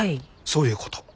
そういうこと。